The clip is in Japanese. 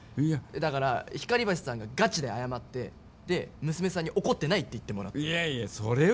だから光橋さんがガチで謝って、で、娘さんに「怒ってない」って言ってもらう。